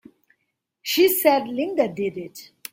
She said Linda did it!